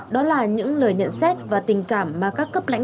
đó là những lời nhận xét và tình cảm mà các cấp lãnh